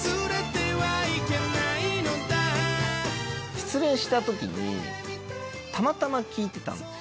失恋した時にたまたま聴いてたんです。